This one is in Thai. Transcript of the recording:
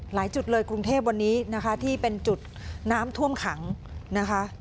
หลายจุดเลยกรุงเทพวันนี้นะคะที่เป็นจุดน้ำท่วมขังนะคะ